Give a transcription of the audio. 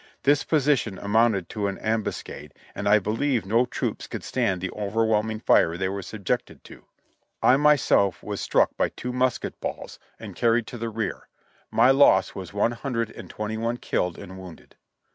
This position amounted to an ambuscade, and I believe no troops could stand the overwhelming fire they were subjected to. I myself was struck by two musket balls and carried to the 144 JOHNNY RKB AND BILI,Y YANK rear; my loss was one hundred and twenty one killed and wounded."